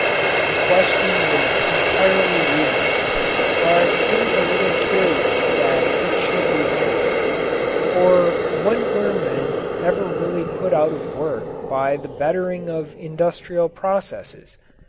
The question is entirely reasonable, but it is a little curious that it should be asked. For when were men ever really put out of work by the bettering of industrial processes?